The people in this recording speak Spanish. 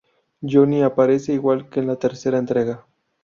Johnny aparece igual que en la tercera entrega.